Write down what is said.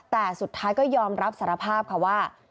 แต่สุดท้ายก็ยอมรับสารภาพค่ะว่า